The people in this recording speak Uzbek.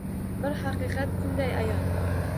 Bir haqiqat kunday ayon.